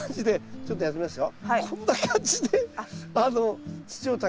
ちょっとやってみますね。